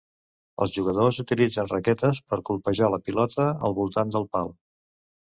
Els jugadors utilitzen raquetes per colpejar la pilota al voltant del pal.